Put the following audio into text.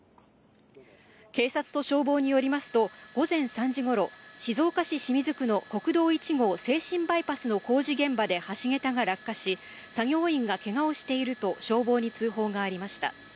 警察と消防によりますと、午前３時ごろ、静岡市清水区の国道１号静清バイパスの工事現場で橋桁が落下し、作業員がけがをしていると消防に通報がありました。